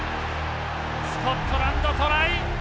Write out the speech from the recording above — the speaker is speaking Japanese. スコットランドトライ。